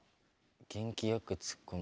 元気よくツッコむ？